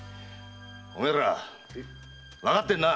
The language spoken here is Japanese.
お前らわかってるな！